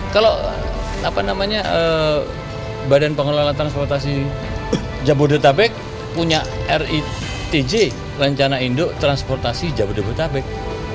kalau apa namanya badan pengelola transportasi jabodetabek punya ritj rencana indo transportasi jabodetabek